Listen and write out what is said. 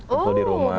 kombo di rumah